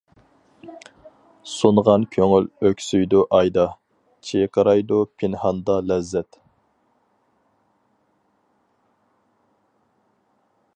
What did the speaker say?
سۇنغان كۆڭۈل ئۆكسۈيدۇ ئايدا، چىرقىرايدۇ پىنھاندا لەززەت.